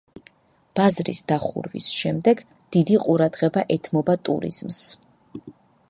ბაზრის დახურვის შემდეგ დიდი ყურადღება ეთმობა ტურიზმს.